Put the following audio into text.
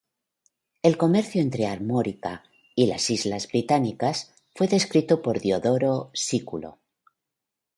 El comercio entre Armórica y las islas británicas fue descrito por Diodoro Sículo.